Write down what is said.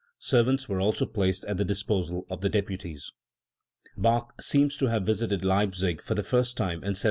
Servants were also placed at the disposal of the "deputies"*. Bach seems to have visited Leipzig for the first time in 1714.